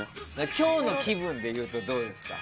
今日の気分で言うとどれですか？